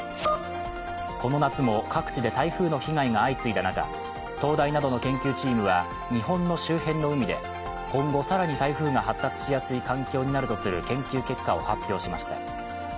この夏も各地で台風の被害が相次いだ中東大などの研究チームは日本の周辺の海で今後、更に台風が発達しやすい環境になるとする研究結果を発表しました。